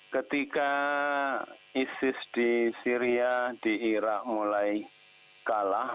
ketika isis di syria di irak mulai kalah